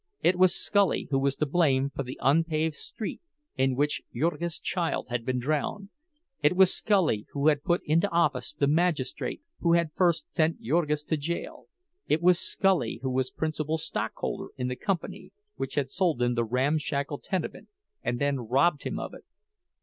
It was Scully who was to blame for the unpaved street in which Jurgis's child had been drowned; it was Scully who had put into office the magistrate who had first sent Jurgis to jail; it was Scully who was principal stockholder in the company which had sold him the ramshackle tenement, and then robbed him of it.